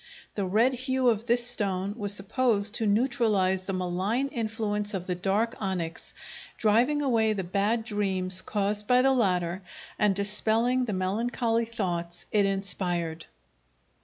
The red hue of this stone was supposed to neutralize the malign influence of the dark onyx, driving away the bad dreams caused by the latter and dispelling the melancholy thoughts it inspired.